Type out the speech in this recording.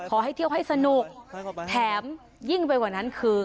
ขอให้เที่ยวให้สนุกแถมยิ่งไปกว่านั้นคือ